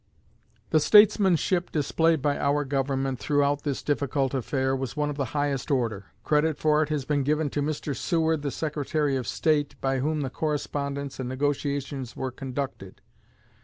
The statesmanship displayed by our Government throughout this difficult affair was of the highest order. Credit for it has been given to Mr. Seward, the Secretary of State, by whom the correspondence and negotiations were conducted.